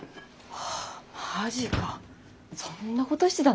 マジかそんなことしてたの？